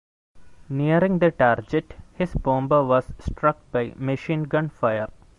Nearing the target, his bomber was struck by machine gun fire.